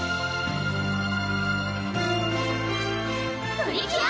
プリキュア！